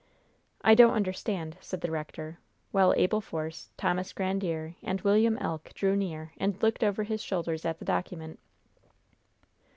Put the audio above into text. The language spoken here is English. "I don't understand," said the rector, while Abel Force, Thomas Grandiere and William Elk drew near and looked over his shoulders at the document.